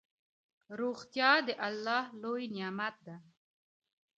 روغتيا دالله لوي نعمت ده